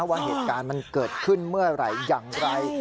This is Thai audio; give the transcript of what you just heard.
ว่าเหตุการณ์มันเกิดขึ้นเมื่อไหร่อย่างไร